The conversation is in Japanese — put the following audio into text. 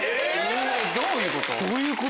どういうこと？